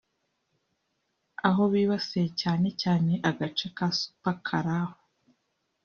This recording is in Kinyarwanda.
aho bibasiye cyane cyane agace ka Supa-Kalahu